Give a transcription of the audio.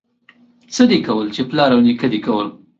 څه دي کول، چې پلار او نيکه دي کول.